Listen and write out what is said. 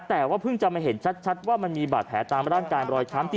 แต่ว่าเพิ่งจะมาเห็นชัดว่ามันมีบาดแผลตามร่างกายรอยช้ำจริง